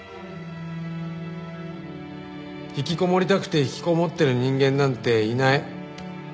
「引きこもりたくて引きこもってる人間なんていない」